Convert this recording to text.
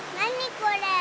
これ。